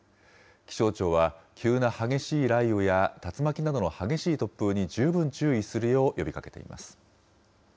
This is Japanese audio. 気象庁は、急な激しい雷雨や竜巻などの激しい突風に十分注意するよう呼びかけています。